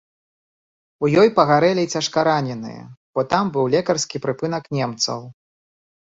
У ёй пагарэлі цяжкараненыя, бо там быў лекарскі прыпынак немцаў.